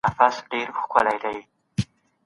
دا کالي په لاسونو پریمنځل سوي دي.